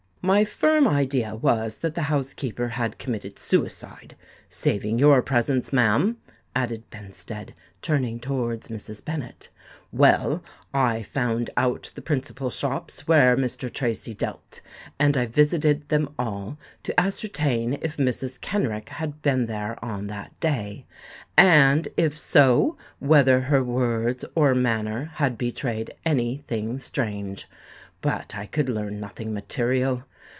My firm idea was that the housekeeper had committed suicide—saving your presence, ma'am," added Benstead, turning towards Mrs. Bennet. "Well, I found out the principal shops where Mr. Tracy dealt; and I visited them all to ascertain if Mrs. Kenrick had been there on that day; and if so, whether her words or manner had betrayed any thing strange. But I could learn nothing material.